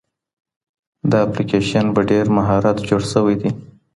دا اپلیکیشن په ډېر مهارت جوړ سوی دی.